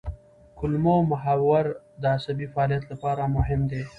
کولمو محور د عصبي فعالیت لپاره مهم دی.